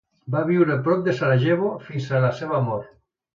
Va viure prop de Sarajevo fins a la seva mort.